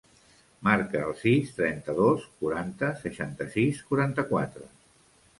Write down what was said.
Marca el sis, trenta-dos, quaranta, seixanta-sis, quaranta-quatre.